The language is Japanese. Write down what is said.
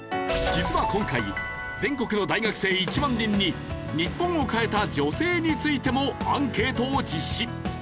実は今回全国の大学生１万人に日本を変えた女性についてもアンケートを実施。